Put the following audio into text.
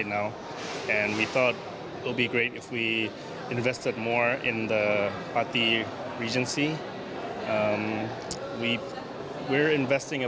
kami berinvestasi sekitar dua puluh hektare tanah di sana